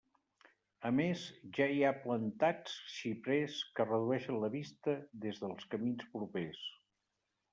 A més, ja hi ha plantats xiprers que redueixen la vista des dels camins propers.